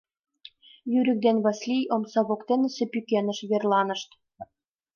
Юрик ден Васлий омса воктенысе пӱкенеш верланышт.